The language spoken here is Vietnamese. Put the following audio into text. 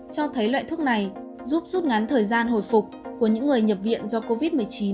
cho thấy loại thuốc này giúp rút ngắn thời gian hồi phục của những người nhập viện do covid một mươi chín